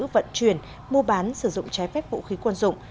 vận chuyển mua bán sử dụng trái phép vũ khí quân dụng